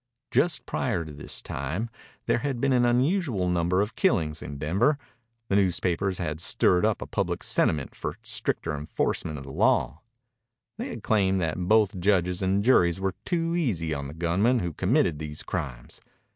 Just prior to this time there had been an unusual number of killings in Denver. The newspapers had stirred up a public sentiment for stricter enforcement of law. They had claimed that both judges and juries were too easy on the gunmen who committed these crimes.